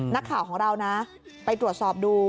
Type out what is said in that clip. นักข่าวของเรานะไปตรวจสอบดู